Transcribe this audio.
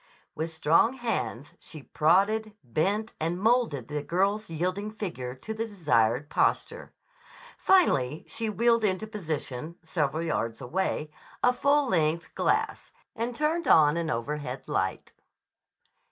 With strong hands she prodded, bent, and moulded the girl's yielding figure to the desired posture. Finally she wheeled into position, several yards away, a full length glass, and turned on an overhead light.